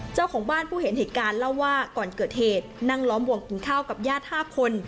เจ้าของบ้านผู้เห็นเหตุการณ์เล่าว่าก่อนเกิดเหตุนั่งล้อมวงกินข้าวกับญาติ๕คน